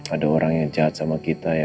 ada orang yang jahat sama kita ya